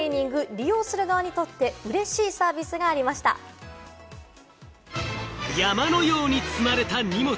利用する側にとってうれしいサー山のように積まれた荷物。